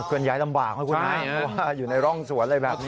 เกินย้ายลำหว่างให้คุณครับอยู่ในร่องสวนเลยแบบนี้นะ